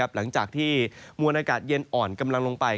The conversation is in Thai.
หลังจากที่มวลอากาศเย็นอ่อนกำลังลงไป